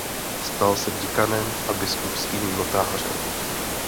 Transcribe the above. Stal se děkanem a biskupským notářem.